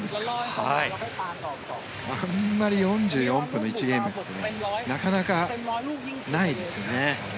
あまり４４分の１ゲームってなかなかないですよね。